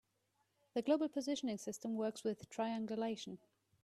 The global positioning system works with triangulation.